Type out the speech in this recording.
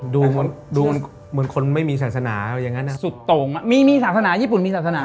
ดูเหมือนคนไม่มีศาสนาอย่างนั้นนะสุดโต่งมีศาสนาญี่ปุ่นมีศาสนา